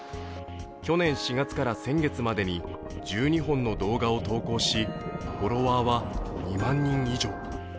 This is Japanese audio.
去年４月から先月までに１２本の動画を投稿しフォロワーは２万人以上。